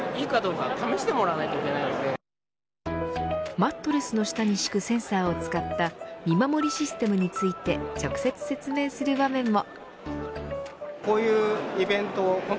マットレスの下に敷くセンサーを使った見守りシステムについて直接説明する場面も。